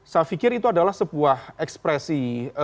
saya pikir itu adalah sebuah ekspresi